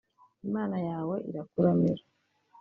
Imana yawe irakuramira